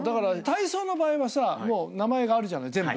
体操の場合はさもう名前があるじゃない全部。